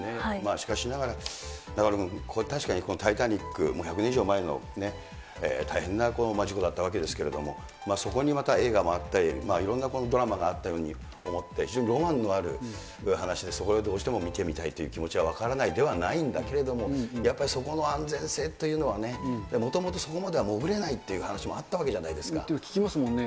しかしながら、中丸君、確かにタイタニック、１００年以上前の大変な事故だったわけですけれども、そこにまた映画もあったり、いろいろなドラマがあったように思って、非常にロマンのある話で、そこらへん、どうしても見てみたいという気持ちは分からないではないんだけれども、やっぱりそこの安全性というのはね、もともとそこまでは潜れないっていう話もあったわけじゃないですって聞きますもんね。